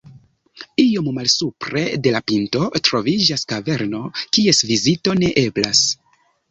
Iom malsupre de la pinto troviĝas kaverno, kies vizito ne eblas.